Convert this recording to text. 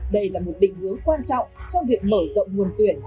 đây là một định hướng quan trọng trong việc mở rộng nguồn tuyển